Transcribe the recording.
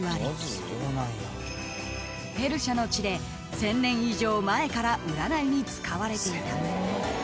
［ペルシャの地で１，０００年以上前から占いに使われていた］